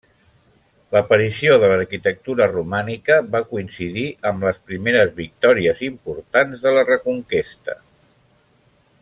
L'aparició de l'arquitectura romànica va coincidir amb les primeres victòries importants de la Reconquesta.